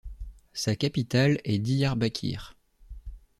Sa capitale est Diyarbakır.